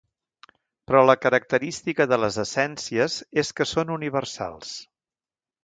Però la característica de les essències és que són universals.